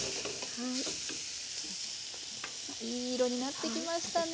いい色になってきましたね。